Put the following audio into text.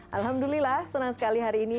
alhamdulillah senang sekali hari ini